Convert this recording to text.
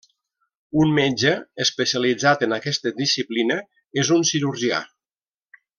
Un metge especialitzat en aquesta disciplina és un cirurgià.